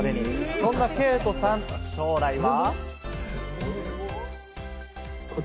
そんな慧人さん、将来は。